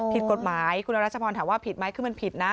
ผิดกฎหมายคุณรัชพรถามว่าผิดไหมคือมันผิดนะ